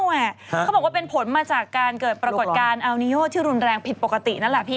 เขาบอกว่าเป็นผลมาจากการเกิดปรากฏการณ์อัลนิโยที่รุนแรงผิดปกตินั่นแหละพี่